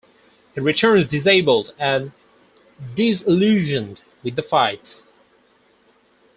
He returns disabled and disillusioned with the fight.